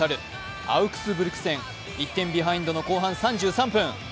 アウクスブルク戦、１点ビハインドの後半３３分。